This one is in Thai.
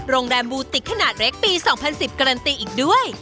โรงแรมบูติกขนาดเล็กปี๒๐๑๐การันตีอีกด้วย